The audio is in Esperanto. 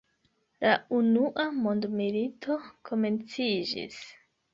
La Unua mondmilito komenciĝis.